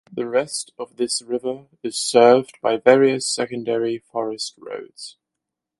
The rest of this river is served by various secondary forest roads.